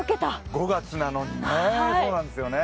５月なのにね。